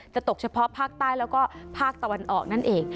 ตกเฉพาะภาคใต้แล้วก็ภาคตะวันออกนั่นเอง